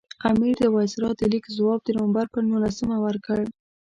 امیر د وایسرا د لیک ځواب د نومبر پر نولسمه ورکړ.